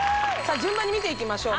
順番に見ていきましょう